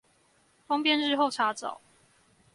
方便日後查找